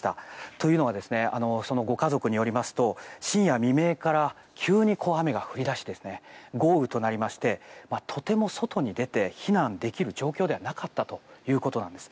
というのはそのご家族によりますと深夜未明から急に雨が降り出して豪雨となりましてとても外に出て避難できる状況ではなかったということです。